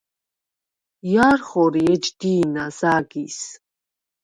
ჲა̈რ ხორი ეჯ დი̄ნას ა̈გის?